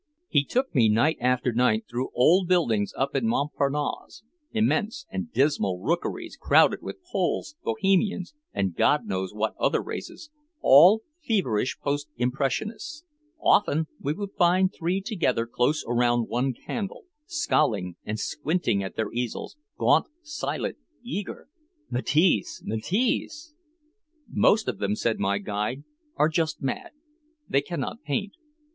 He took me night after night through old buildings up in Montparnasse, immense and dismal rookeries crowded with Poles, Bohemians and God knows what other races, all feverish post impressionists. Often we would find three together close around one candle, scowling and squinting at their easels, gaunt, silent, eager. Matisse Matisse! "Most of them," said my guide, "are just mad. They cannot paint.